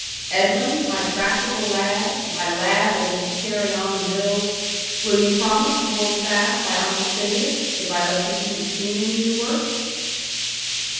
Edwin, my practical lad, my lad that is to carry on the mills will you promise to hold fast by Uncle Phineas, if I let you see the steam engine work?"